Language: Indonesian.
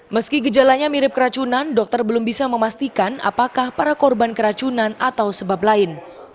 meski gejalanya mirip keracunan dokter belum bisa memastikan apakah para korban keracunan atau sebab lain